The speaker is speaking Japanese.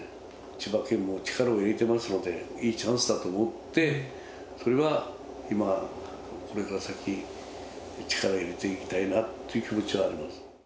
千葉県も力を入れてますので、いいチャンスだと思って、それは今、これから先、力を入れていきたいなっていう気持ちはあります。